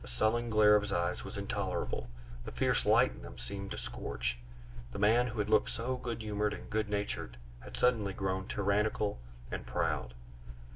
The sullen glare of his eyes was intolerable, the fierce light in them seemed to scorch. The man who had looked so good humored and good natured had suddenly grown tyrannical and proud.